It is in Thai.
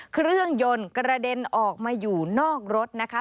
เครื่องยนต์กระเด็นออกมาอยู่นอกรถนะคะ